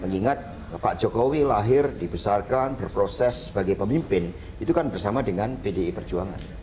mengingat pak jokowi lahir dibesarkan berproses sebagai pemimpin itu kan bersama dengan pdi perjuangan